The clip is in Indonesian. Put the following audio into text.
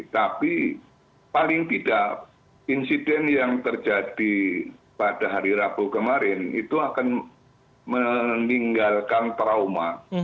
tapi paling tidak insiden yang terjadi pada hari rabu kemarin itu akan meninggalkan trauma